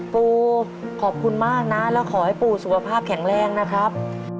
ปูขอบคุณมากนะแล้วขอให้ปู่สุขภาพแข็งแรงนะครับ